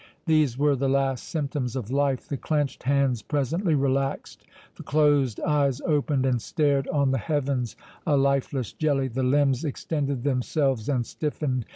These were the last symptoms of life: the clenched hands presently relaxed—the closed eyes opened, and stared on the heavens a lifeless jelly—the limbs extended themselves and stiffened.